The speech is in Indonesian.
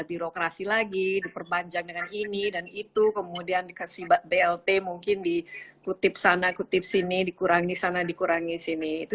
itu kemudian dikasih blt mungkin dikutip sana kutip sini dikurangi sana dikurangi sini itu